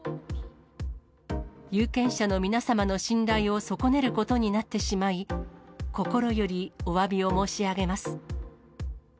有権者の皆様の信頼を損ねることになってしまい、心よりおわびを申し上げます。